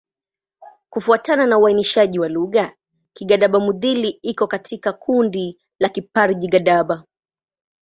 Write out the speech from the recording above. Kufuatana na uainishaji wa lugha, Kigadaba-Mudhili iko katika kundi la Kiparji-Gadaba.